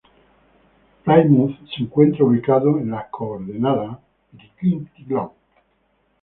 Plymouth se encuentra ubicado en las coordenadas..